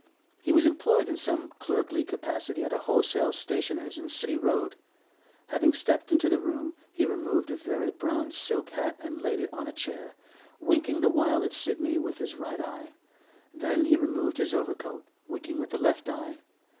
He was employed in some clerkly capacity at a wholesale stationer's in City Road. Having stepped into the room, he removed a very brown silk hat and laid it on a chair, winking the while at Sidney with his right eye; then he removed his overcoat, winking with the left eye.